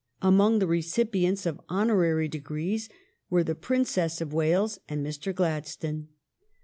Among the recipients of honorary degrees were the Prin cess of Wales and Mr. Gladstone.